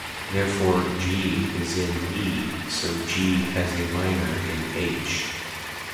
Therefore, "G" is in "E", so "G" has a minor in "H".